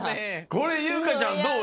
これ優香ちゃんどう？